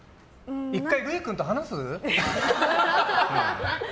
１回、類君と話す？